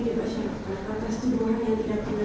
dan syarikat atas tuduhan yang tidak pernah